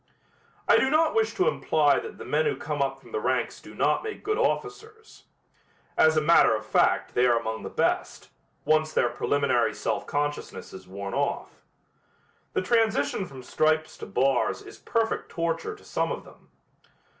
I do not wish to imply that the men who come up from the ranks do not make good officers. As a matter of fact they are among the best, once their preliminary self consciousness has worn off. The transition from stripes to bars is perfect torture to some of them.